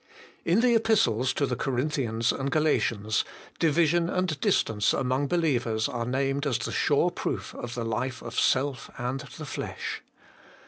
In the Epistles to the Corinthians and Galatians, division and distance among believers are named as the sure proof of the life of self and the flesh.